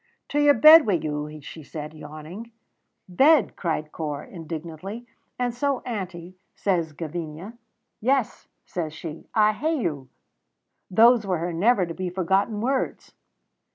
"To your bed wi' you," she said, yawning. "Bed!" cried Corp, indignantly. "And so, auntie, says Gavinia, 'Yes,' says she, 'I'll hae you.' Those were her never to be forgotten words."